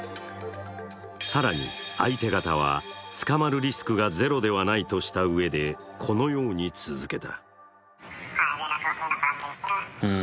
更に相手方は捕まるリスクがゼロではないとしたうえで、このように続けた。